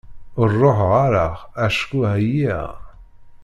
Ur ruḥeɣ ara acku εyiɣ.